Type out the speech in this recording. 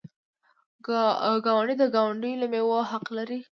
ګاونډی د ګاونډي له میوې حق لري.